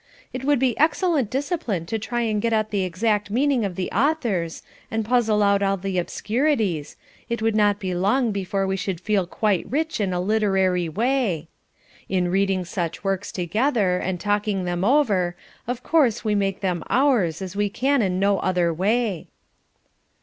It would be excellent discipline to try and get at the exact meaning of the authors, and puzzle out all the obscurities, it would not be long before we should feel quite rich in a literary way. In reading such works together, and talking them over, of course we make them ours as we can in no other way."